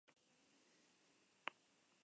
Yodo de uso doméstico o tintura de yodo.